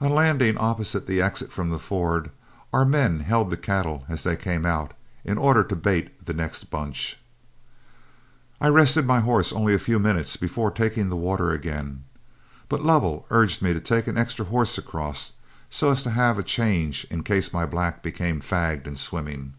On landing opposite the exit from the ford, our men held the cattle as they came out, in order to bait the next bunch. I rested my horse only a few minutes before taking the water again, but Lovell urged me to take an extra horse across, so as to have a change in case my black became fagged in swimming.